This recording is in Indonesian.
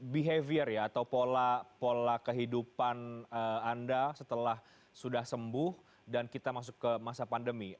behavior ya atau pola kehidupan anda setelah sudah sembuh dan kita masuk ke masa pandemi